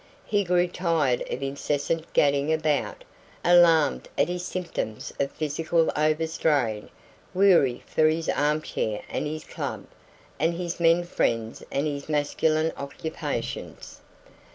He grew tired of incessant gadding about, alarmed at his symptoms of physical overstrain, weary for his arm chair and his club, and his men friends and his masculine occupations.